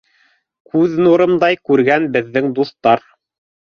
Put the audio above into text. Күҙ нурымдай күргән беҙҙең дуҫтар